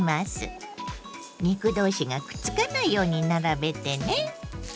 肉同士がくっつかないように並べてね。